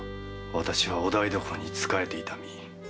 私はお台所に仕えていた身。